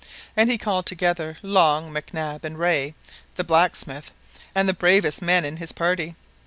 and he called together Long, Mac Nab, and Rae the blacksmith, as the bravest men in his party.